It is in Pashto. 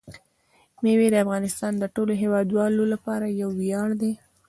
مېوې د افغانستان د ټولو هیوادوالو لپاره یو ویاړ دی.